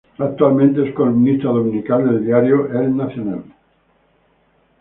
Actualmente es columnista dominical del diario "El Nacional".